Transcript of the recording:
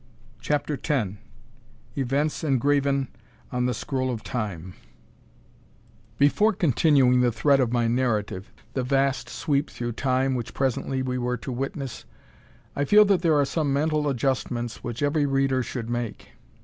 CHAPTER X Events Engraven on the Scroll of Time Before continuing the thread of my narrative the vast sweep through Time which presently we were to witness I feel that there are some mental adjustments which every Reader should make.